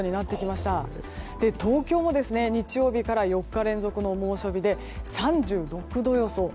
東京も日曜日から４日連続の猛暑日で３６度予想。